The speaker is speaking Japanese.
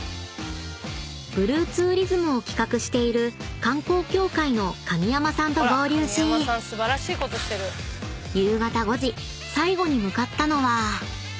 ［ブルーツーリズムを企画している観光協会の神山さんと合流し夕方５時最後に向かったのは］